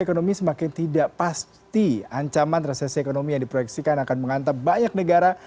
ekonomi semakin tidak pasti ancaman resesi ekonomi yang diproyeksikan akan menghantam banyak negara